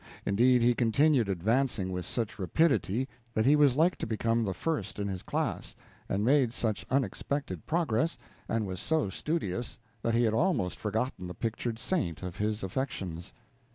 Indeed, he continued advancing with such rapidity that he was like to become the first in his class, and made such unexpected progress, and was so studious, that he had almost forgotten the pictured saint of his affections.